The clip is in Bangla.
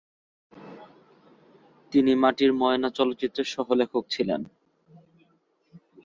তিনি "মাটির ময়না" চলচ্চিত্রের সহ-লেখক ছিলেন।